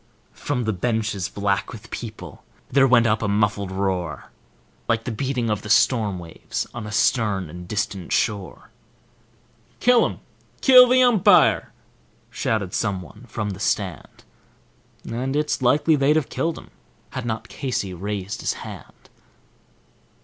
From the benches, black with people, there went up a muffled roar, Like the beating of the storm waves on a stern and distant shore. "Kill him; kill the umpire!" shouted someone from the stand; And it's likely they'd have killed him had not Casey raised his hand.